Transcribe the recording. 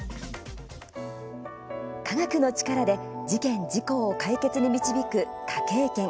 科学の力で事件、事故を解決に導く科警研。